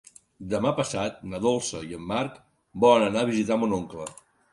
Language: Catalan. Demà passat na Dolça i en Marc volen anar a visitar mon oncle.